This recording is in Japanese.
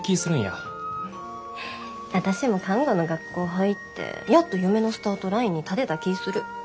私も看護の学校入ってやっと夢のスタートラインに立てた気ぃする。